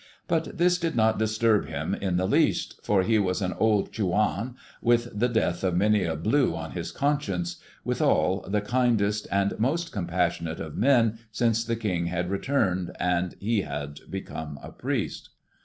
But this did not disturb him in the least, for he was an old Chouan with the death of many a Blue on his conscience, withal, the kindest and most compassionate of men since the king had returned and he had become a priest.